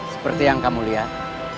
seperti yang kamu lihat